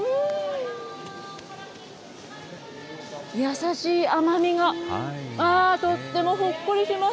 優しい甘みが、あー、とってもほっこりします。